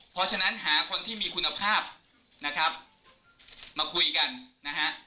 เพราะฉะนั้นหาคนที่มีคุณภาพนะครับมาคุยกันนะฮะ